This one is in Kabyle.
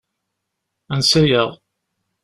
Ansa-aɣ?